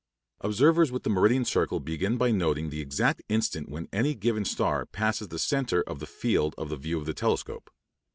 Observers with the meridian circle begin by noting the exact instant when any given star passes the centre of the field of view of the telescope.